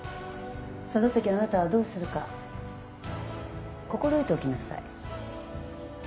そのときあなたはどうするか心得ておきなさい。